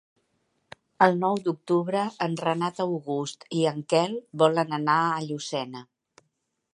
El nou d'octubre en Renat August i en Quel volen anar a Llucena.